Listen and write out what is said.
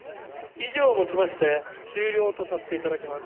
以上をもちまして終了とさせていただきます。